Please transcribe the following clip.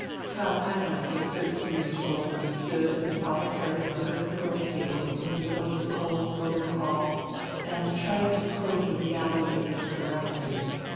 Klaus Heinrich was thirteen years old when he stood at the solitary mother of pearl table in the middle of the cold silver hall, and tried to probe the reality of things around him.